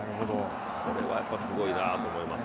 これはやっぱりすごいなと思いますね。